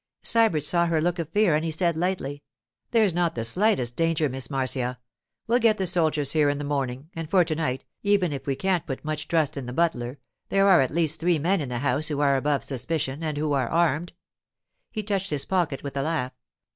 Sybert saw her look of fear and he said lightly: 'There's not the slightest danger, Miss Marcia. We'll get the soldiers here in the morning; and for to night, even if we can't put much trust in the butler, there are at least three men in the house who are above suspicion and who are armed.' He touched his pocket with a laugh.